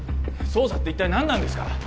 捜査って一体何なんですか？